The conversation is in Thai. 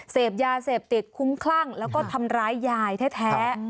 เสพยาเสพติดคุ้มคลั่งแล้วก็ทำร้ายยายแท้